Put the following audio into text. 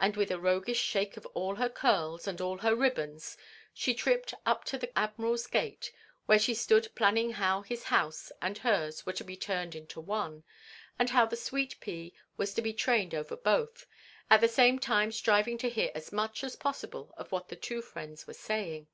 And with a roguish shake of all her curls and all her ribbons she tripped up to the Admiral's gate, where she stood planning how his house and hers were to be turned into one, and how the sweet pea was to be trained over both, at the same time striving to hear as much as possible of what the two friends were saying.